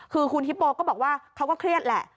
คือคุณฮิปโปก็บอกว่าเขาก็เครียดแหละ